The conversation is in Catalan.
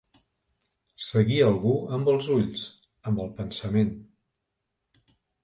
Seguir algú amb els ulls, amb el pensament.